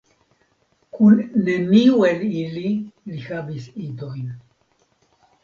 Kun neniu el ili li havis idojn.